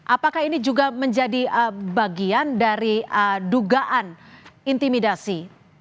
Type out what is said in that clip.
apakah ini juga menjadi bagian dari dugaan intimidasi